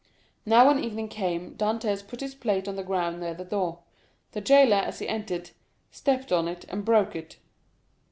Now when evening came Dantès put his plate on the ground near the door; the jailer, as he entered, stepped on it and broke it.